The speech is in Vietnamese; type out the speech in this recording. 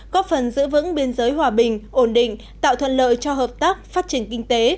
có phần giữ vững biên giới hòa bình ổn định tạo thuận lợi cho hợp tác phát triển kinh tế